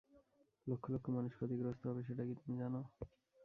লক্ষ লক্ষ মানুষ ক্ষতিগ্রস্ত হবে, সেটা কি তুমি জানো?